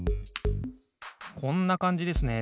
こんなかんじですね。